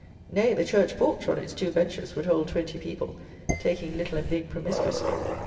Nay, the church porch, on its two benches, would hold twenty people, taking little and big promiscuously.